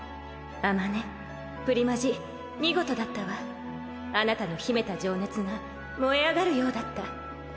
「あまねプリマジ見事だったわ。あなたの秘めた情熱が燃え上がるようだった。